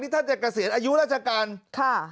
นี่ท่านจะเกษียณอายุราชกรรม